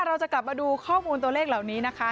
เราจะกลับมาดูข้อมูลตัวเลขเหล่านี้นะคะ